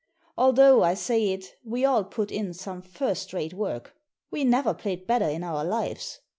Although I say it; we all put in some first rate work. We never played better in our lives.